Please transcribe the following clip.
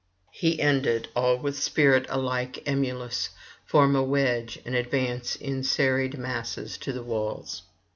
He ended; all with spirit alike emulous form a wedge and advance in serried masses to the walls.